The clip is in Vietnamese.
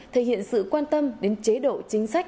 thể hiện sự quan tâm đến chế độ chính sách